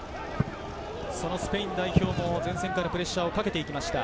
スペイン代表も前線からプレッシャーをかけていきました。